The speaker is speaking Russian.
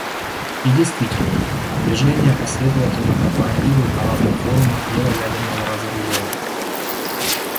И действительно, Движение последовательно пропагандирует на разных форумах дело ядерного разоружения.